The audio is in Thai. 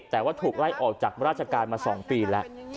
แต่ว่าถูกไล่ออกจากราชการมา๒ปีแล้ว